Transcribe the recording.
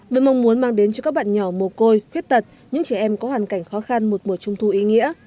với mong muốn mang đến cho các bạn nhỏ mồ côi khuyết tật những trẻ em có hoàn cảnh khó khăn một mùa trung thu ý nghĩa